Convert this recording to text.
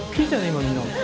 今みんな。